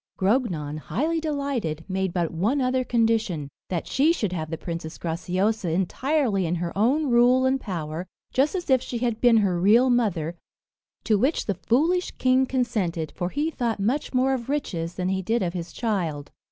Grognon, highly delighted, made but one other condition that she should have the Princess Graciosa entirely in her own rule and power, just as if she had been her real mother; to which the foolish king consented, for he thought much more of riches than he did of his child.